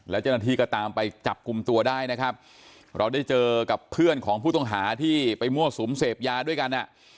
แล้วเจ้าหน้าที่ก็ตามไปจับกลุ่มตัวได้นะครับเราได้เจอกับเพื่อนของผู้ต้องหาที่ไปมั่วสุมเสพยาด้วยกันอ่ะ